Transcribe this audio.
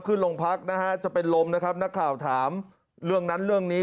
ขึ้นโรงพักนะฮะจะเป็นลมนะครับนักข่าวถามเรื่องนั้นเรื่องนี้